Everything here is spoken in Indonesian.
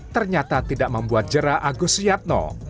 ternyata tidak membuat jerah agus suyatno